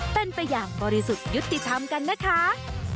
เป็นไปอย่างบริสุทธิ์ยุติธรรมกันนะคะ